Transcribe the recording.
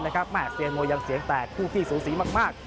ฟีเงินยังเสียงแตกคู่พี่สูสีมาก